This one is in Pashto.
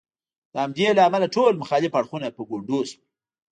د همدې له امله ټول مخالف اړخونه په ګونډو شول.